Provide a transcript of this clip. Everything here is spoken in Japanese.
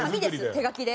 手書きで。